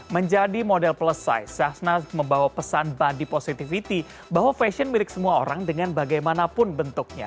menjadi model plus syahna membawa pesan body positivity bahwa fashion milik semua orang dengan bagaimanapun bentuknya